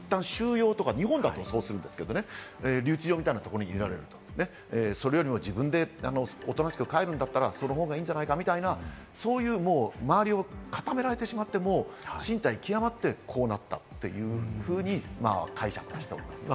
強制退去だといったん収容だと、日本だとそうするんですけれど、留置場みたいなところに入れられる、それよりも自分でおとなしく帰るんだったら、その方がいいんじゃないかみたいな、周りを固められてしまって、進退きわまってこうなったというふうに解釈はしております。